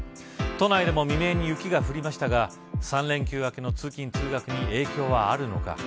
都内でも未明に雪が降りましたが３連休明けの通勤、通学に影響あるのか。